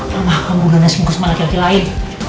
mama kamu belum nangis minggu sama laki laki lain